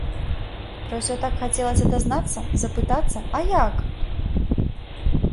Пра ўсё так хацелася дазнацца, запытацца, а як?!